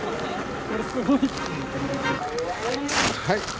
はい。